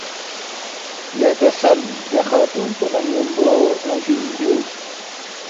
”لے کسل دے خاتون پو نہ ن٘یمبو اونگفی اِن دیُو